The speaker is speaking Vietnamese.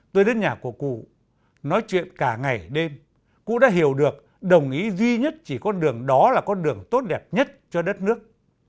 tôi đến nhà của cụ nói chuyện cả ngày đêm cụ đã hiểu được đồng ý duy nhất chỉ con đường đó là con đường tốt đẹp nhất cho đất nước